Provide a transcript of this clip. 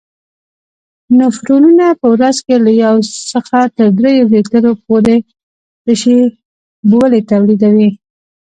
نفرونونه په ورځ کې له یو څخه تر دریو لیترو پورې تشې بولې تولیدوي.